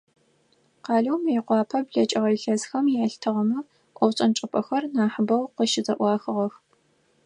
Къалэу Мыекъуапэ блэкӀыгъэ илъэсхэм ялъытыгъэмэ, ӀофшӀэн чӀыпӀэхэр нахьы бэу къыщызэӀуахыгъэх.